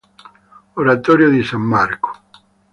Oratorio di San Marco